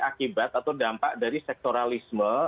akibat atau dampak dari sektoralisme